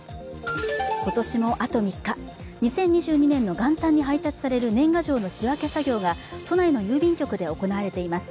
今年もあと３日、２０２２年の元旦に配達される年賀状の仕分け作業が都内の郵便局で行われています。